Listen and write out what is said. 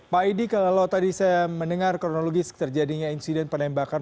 pak idi kalau tadi saya mendengar kronologis terjadinya insiden penembakan